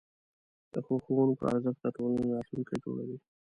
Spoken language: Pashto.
د ښو ښوونکو ارزښت د ټولنې راتلونکی جوړوي.